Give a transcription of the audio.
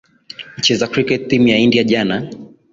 mcheza kriketi timu ya india jana